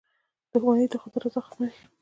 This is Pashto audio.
• دښمني د خدای رضا ختموي.